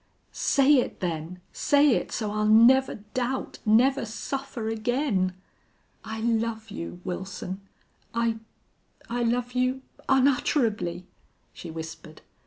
"Say it then! Say it so I'll never doubt never suffer again!" "I love you, Wilson! I I love you unutterably," the whispered.